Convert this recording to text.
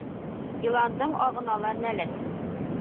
Йыландың ағына ла нәләт